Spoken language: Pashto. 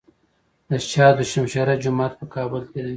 د شاه دوشمشیره جومات په کابل کې دی